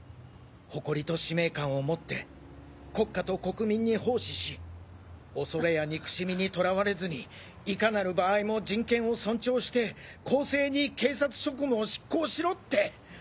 誇りと使命感を持って国家と国民に奉仕し恐れや憎しみにとらわれずにいかなる場合も人権を尊重して公正に警察職務を執行しろって。